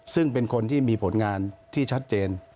ซึ่งเป็นคนที่มีผลงานที่ชัดเจน